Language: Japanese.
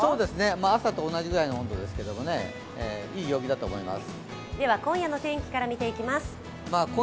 朝と同じくらいの温度ですけどね、いい陽気だと思います。